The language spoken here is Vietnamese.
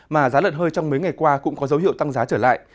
mà giá lợn hơi trong mấy ngày qua cũng có dấu hiệu tăng giá trở lại